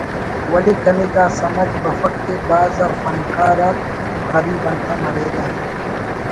ولے کنے دا سمجھ بفک کہ بھاز آ فنکار آک غریب انتئے مریرہ